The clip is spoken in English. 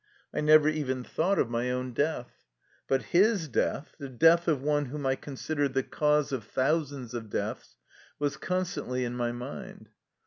I never even thought of my own death. But Ms death, the death of one whom I considered the cause of thousands of deaths, was constantly in my mind.